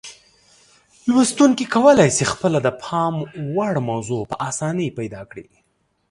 لوستونکي کولای شي خپله د پام وړ موضوع په اسانۍ پیدا کړي.